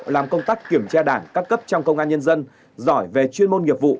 làm công tác kiểm tra đảng các cấp trong công an nhân dân giỏi về chuyên môn nghiệp vụ